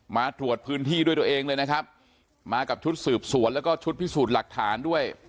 มาตรวจพื้นที่ด้วยตัวเองเลยนะครับมากับชุดสืบสวนแล้วก็ชุดพิสูจน์หลักฐานด้วย